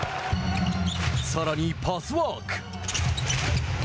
さらにパスワーク。